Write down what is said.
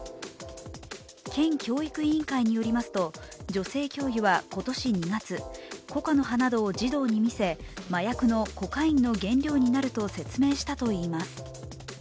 県教育委員会によりますと女性教諭は今年２月、コカの葉などを児童に見せ麻薬のコカインの原料になると説明したといいます。